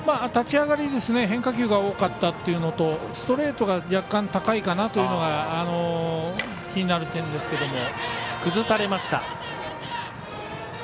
立ち上がり変化球が多かったというのとストレートが若干、高いかなというのが気になる点ですけども。